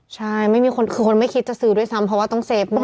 ใช่คุณไม่คิดจะซื้อด้วยซ้ำเพราะว่าต้องเซฟนิดนึง